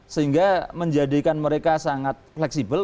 sehingga menjadikan mereka sangat fleksibel